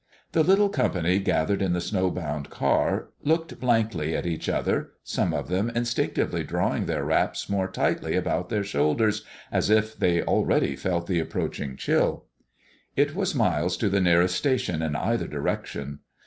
The little company gathered in the snow bound car looked blankly at each other, some of them instinctively drawing their wraps more tightly about their shoulders, as if they already felt the approaching chill. It was miles to the nearest station in either direction.